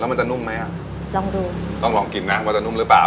มันจะนุ่มไหมอ่ะลองดูต้องลองกินนะว่าจะนุ่มหรือเปล่า